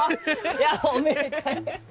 いやおめでたい！